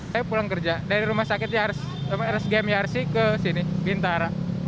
saya pulang kerja dari rumah sakit yarsi ke sini bintara